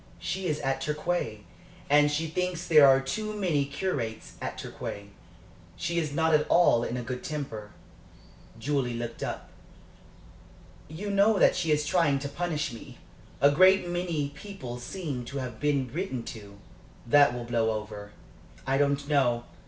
She is at Torquay, and she thinks there are too many curates at Torquay. She is not at all in a good temper." Julie looked up. "You know that she is trying to punish me. A great many people seem to have been written to." "That will blow over." "I don't know.